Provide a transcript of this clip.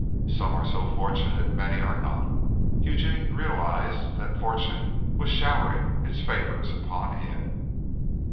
Some are so fortunate many are not. Eugene realized that fortune was showering its favors upon him.